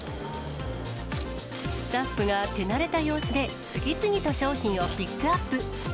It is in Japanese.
スタッフが手慣れた様子で、次々と商品をピックアップ。